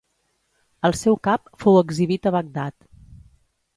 El seu cap fou exhibit a Bagdad.